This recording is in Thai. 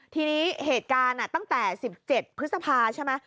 ทีนี้เหตุการณ์ตั้งแต่๑๗พฤษภาใช่ไหม